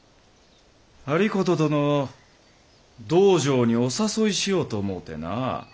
有功殿を道場にお誘いしようと思うてな。